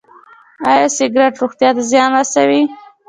ایا سګرټ روغتیا ته زیان رسوي؟